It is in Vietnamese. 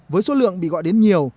với số lượng bị gọi đến nhiều